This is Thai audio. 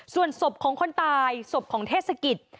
ส่วนศพของคนตายศพของเทศกิจ